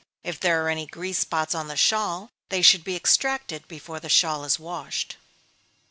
If there are any grease spots on the shawl, they should be extracted before the shawl is washed.